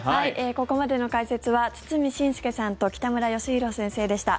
ここまでの解説は堤伸輔さんと北村義浩先生でした。